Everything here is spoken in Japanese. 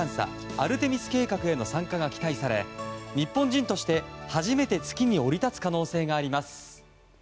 アルテミス計画への参加が期待され日本人として初めて月に降り立つ可能性があります。